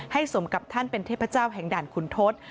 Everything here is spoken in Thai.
สมกับท่านเป็นเทพเจ้าแห่งด่านขุนทศ